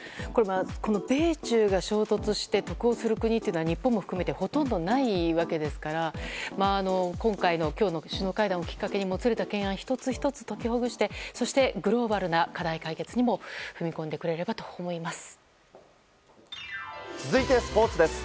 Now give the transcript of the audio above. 米中が衝突して得をする国は日本も含めてほとんどないわけですから今日の首脳会談をきっかけにもつれた懸案を１つ１つ解きほぐしてそしてグローバルな課題解決にも踏み込んでいただければと続いて、スポーツです。